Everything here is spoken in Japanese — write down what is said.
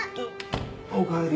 おかえり。